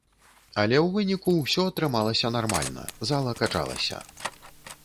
Але ў выніку ўсё атрымалася нармальна, зала качалася.